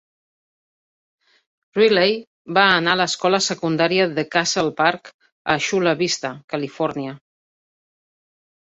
Riley va anar a l'escola secundària de Castle Park a Chula Vista, Califòrnia.